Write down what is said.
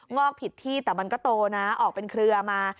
อกผิดที่แต่มันก็โตนะออกเป็นเครือมา